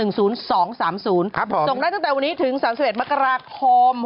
ส่งได้ตั้งแต่วันนี้ถึง๓๑มกราคม